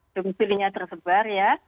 dompilnya tersebar ya